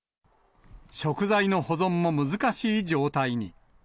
食材の保存も難しい状態に。